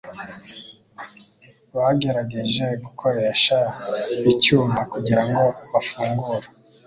Bagerageje gukoresha icyuma kugirango bafungure.